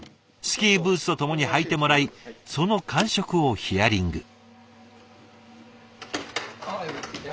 スキーブーツとともに履いてもらいその感触をヒアリング。